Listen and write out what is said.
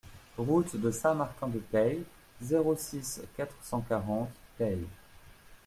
Route de Saint-Martin de Peille, zéro six, quatre cent quarante Peille